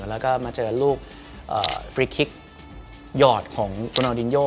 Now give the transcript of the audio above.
แล้วก็มาเจอลูกฟรีคลิกหยอดของคุณอลดินโย